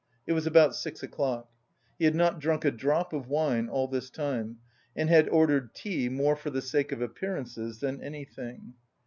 It was about six o'clock. He had not drunk a drop of wine all this time and had ordered tea more for the sake of appearances than anything.